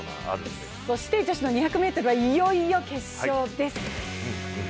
女子の２００ｍはいよいよ決勝です。